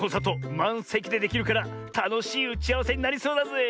まんせきでできるからたのしいうちあわせになりそうだぜえ。